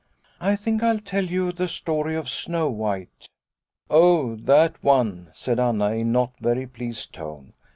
" I think I'll tell you the story of Snow White." " Oh, that one," said Anna in no very pleased tone.